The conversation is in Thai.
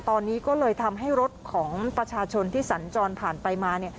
ตอนนี้ก็เลยทำให้รถของประชาชนที่สัญจรผ่านไปมา